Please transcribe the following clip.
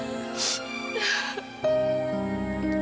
tapi ibu akan pukul ayahmu